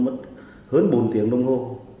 mất hơn bốn tiếng đồng hồ